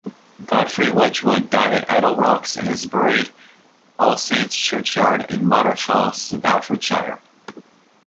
Godfrey Wedgwood died at Idlerocks and is buried All Saints Churchyard in Moddershall, Staffordshire.